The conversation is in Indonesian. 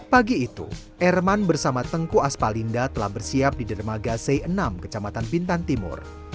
pagi itu erman bersama tengku aspalinda telah bersiap di dermaga c enam kecamatan bintan timur